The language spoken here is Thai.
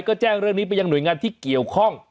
ก็แจ้งเรื่องนี้ไปยังหน่วยงานที่เกี่ยวข้อง